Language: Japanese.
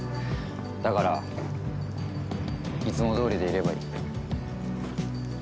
だからいつもどおりでいればいい。